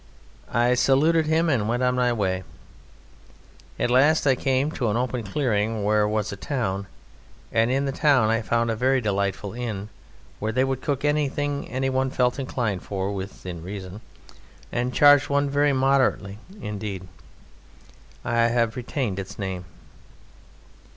I saluted him and went on my way. At last I came to an open clearing, where there was a town, and in the town I found a very delightful inn, where they would cook anything one felt inclined for, within reason, and charged one very moderately indeed. I have retained its name.